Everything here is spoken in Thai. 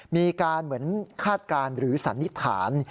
มีการเหมือนคาดการณ์หรือสันนิษฐาน